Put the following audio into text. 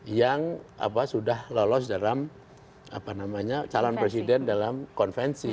karena itu akan ditentukan oleh presiden yang sudah lolos dalam apa namanya calon presiden dalam konvensi